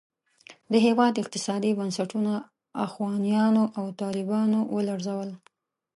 د هېواد اقتصادي بنسټونه اخوانیانو او طالبانو ولړزول.